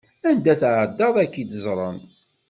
Anda tεeddaḍ ad k-id-ẓren.